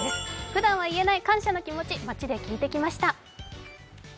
ふだんは言えない感謝の気持ち、街で聞いてきました。